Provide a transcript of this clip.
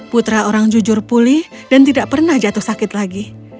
putra orang jujur pulih dan tidak pernah jatuh sakit lagi